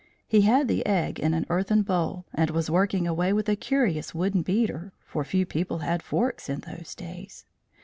He had the egg in an earthen bowl, and was working away with a curious wooden beater, for few people had forks in those days.